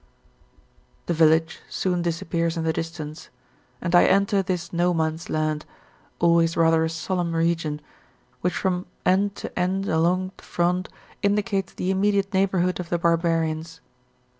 The village soon disappears in the distance, and I enter this no man's land, always rather a solemn region, which from end to end along the front indicates the immediate neighbourhood of the barbarians.